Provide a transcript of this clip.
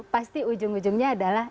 pasti ujung ujungnya adalah